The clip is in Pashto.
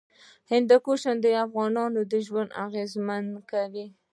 هندوکش د افغانانو ژوند اغېزمن کوي.